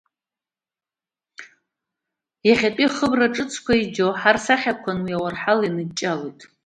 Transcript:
Иахьатәи ахыбра ҿыцқәа иџьоуҳар сахьақәаны уи ауарҳал ианыҷҷалоит.